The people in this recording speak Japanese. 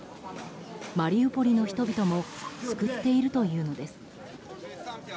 マリウポリの人々も救っているというのです。